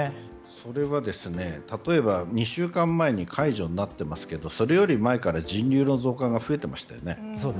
それは、例えば２週間前に解除になっていますがそれより前から人流の増加が増えていましたよね。